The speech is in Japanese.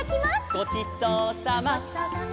「」「ごちそうさま」「」